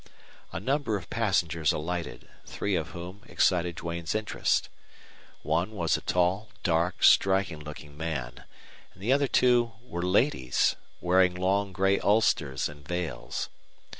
A number of passengers alighted, three of whom excited Duane's interest. One was a tall, dark, striking looking man, and the other two were ladies, wearing long gray ulsters and veils.